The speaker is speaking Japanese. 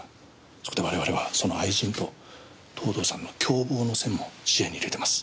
そこで我々はその愛人と藤堂さんの共謀のセンも視野にいれてます。